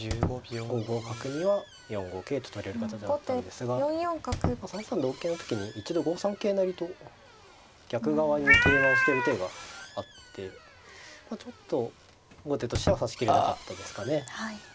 ５五角には４五桂と取れる形だったんですが３三同桂の時に一度５三桂成と逆側に桂馬を捨てる手があってちょっと後手としては指しきれなかったですかね。